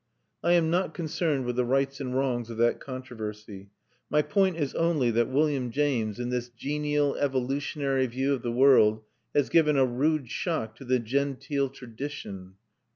I am not concerned with the rights and wrongs of that controversy; my point is only that William James, in this genial evolutionary view of the world, has given a rude shock to the genteel tradition.